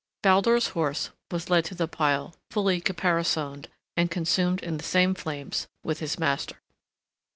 Baldur's horse was led to the pile fully caparisoned and consumed in the same flames with his master.